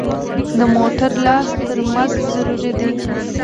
د موټر لاس ترمز ضروري دی.